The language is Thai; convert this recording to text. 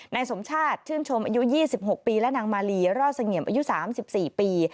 นายสมชาติชื่นชมอายุ๒๖ปีและนางมาลีรอดเสงี่ยมอายุ๓๔ปี